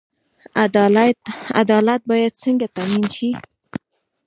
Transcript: عدالت باید څنګه تامین شي؟